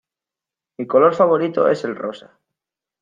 Mi color favorito es el rosa